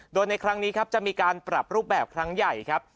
โดยในครั้งนี้ครับจะมีการปรับรูปแบบครั้งใหญ่ครับ